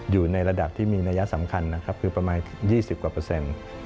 อยู่ในระดับที่มีนัยสำคัญนะครับคือประมาณ๒๐กว่าเปอร์เซ็นต์